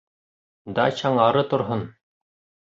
Дачаң ары торһон!